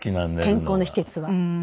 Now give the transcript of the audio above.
健康の秘訣は。